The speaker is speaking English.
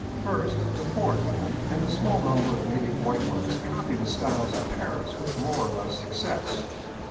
First: The foreign women and a small number of native white ones copy the styles of Paris with more or less success.